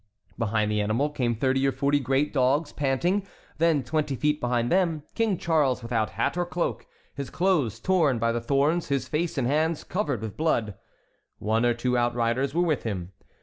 Behind the animal came thirty or forty great dogs, panting; then, twenty feet behind them, King Charles without hat or cloak, his clothes torn by the thorns, his face and hands covered with blood. One or two outriders were with him.